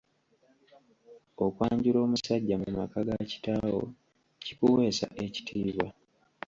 Okwanjula omusajja mu maka ga kitaawo, kikuweesa ekitiibwa.